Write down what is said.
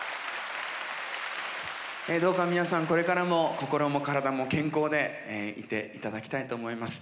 どうか皆さん、これからも、心も体も健康でいていただきたいと思います。